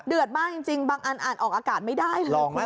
เดือดมากจริงบางอันอ่านออกอากาศไม่ได้เลยครับ